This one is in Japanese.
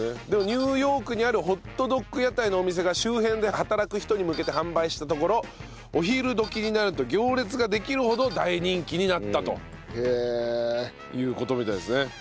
ニューヨークにあるホットドッグ屋台のお店が周辺で働く人に向けて販売したところお昼時になると行列ができるほど大人気になったという事みたいですね。